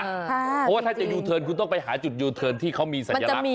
เพราะว่าถ้าจะยูเทิร์นคุณต้องไปหาจุดยูเทิร์นที่เขามีสัญลักษณ์